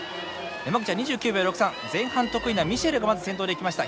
山口は２９秒６３前半得意なミシェルがまず先頭で行きました。